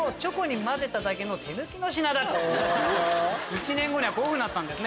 １年後にはこうなったんですね。